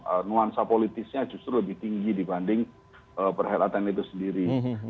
karena nuansa politisnya justru lebih tinggi dibanding perhelatan itu sendiri